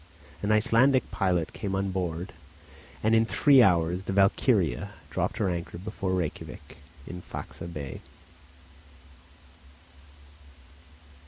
An Icelandic pilot came on board, and in three hours the Valkyria dropped her anchor before Rejkiavik, in Faxa Bay.